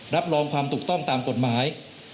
รับรองความถูกต้องตามกฎหมาย